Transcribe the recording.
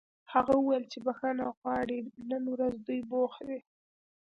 هغه وویل چې بښنه غواړي نن ورځ دوی بوخت دي